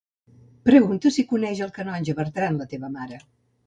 Pregunta si coneix el canonge Bertran, la teva mare.